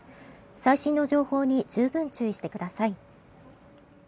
最新の情報に十分注意してください。